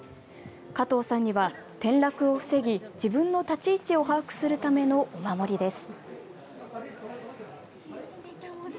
加藤さんには、転落を防ぎ自分の立ち位置を把握するためのお守りです。